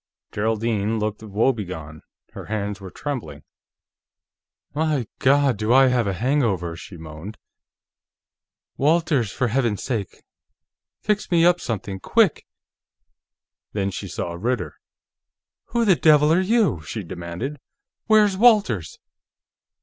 Geraldine looked woebegone; her hands were trembling. "My God, do I have a hangover!" she moaned. "Walters, for heaven's sake, fix me up something, quick!" Then she saw Ritter. "Who the devil are you?" she demanded. "Where's Walters?"